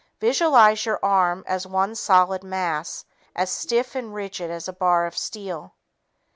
Visualize your arm as one solid mass, as stiff and rigid as a bar of steel.